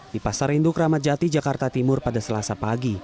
di pasar induk ramadjati jakarta timur pada selasa pagi